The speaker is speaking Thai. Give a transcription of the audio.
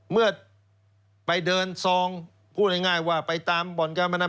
เมื่อไปเดินซองพูดง่ายว่าไปตามบ่อนการพนัน